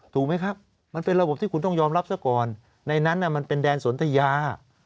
ถูกไหมครับมันเป็นระบบที่คุณต้องยอมรับซะก่อนในนั้นมันเป็นแดนสนทยา